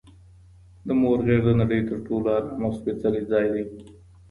د مور غیږ د نړۍ تر ټولو ارام او سپیڅلی ځای دی